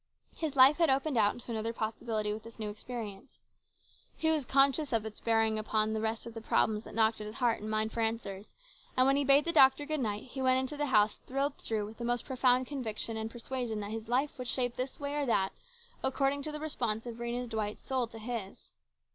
His life had opened out into another possibility with this new experience. He was conscious of its bearing upon all the rest of the problems that knocked at his heart and mind for answers, and when he bade the doctor good night he went into the house thrilled through with the most profound conviction and persuasion that his life would shape this way or that according to the response of Rhena Dwight's soul to his.